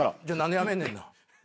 じゃあ何で辞めんねんな。